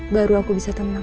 baru aku bisa tenang